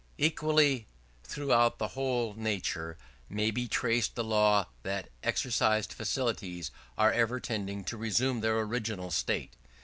Equally, throughout the whole nature, may be traced the law that exercised faculties are ever tending to resume their original state.